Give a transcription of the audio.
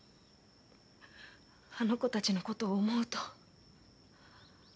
あの子たちの事を思うと。